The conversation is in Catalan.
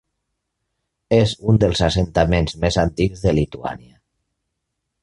És un dels assentaments més antics de Lituània.